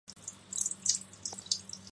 跑去买冰淇淋